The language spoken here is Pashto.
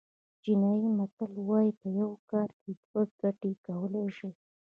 چینایي متل وایي په یو کار دوه ګټې کولای شي.